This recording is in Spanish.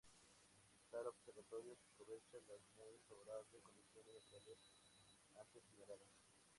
Tal observatorio aprovecha las muy favorable condiciones naturales antes señaladas.